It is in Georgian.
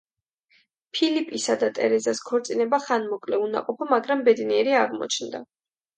ფილიპისა და ტერეზას ქორწინება ხანმოკლე, უნაყოფო, მაგრამ ბედნიერი აღმოჩნდა.